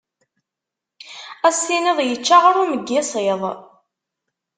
Ad s-tiniḍ yečča aɣrum n yisiḍ!